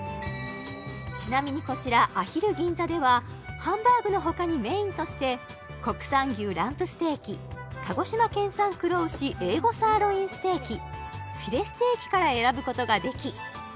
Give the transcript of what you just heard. ちなみにこちらアヒル銀座ではハンバーグの他にメインとして国産牛ランプステーキ鹿児島県産黒牛Ａ５サーロインステーキフィレステーキから選ぶことができ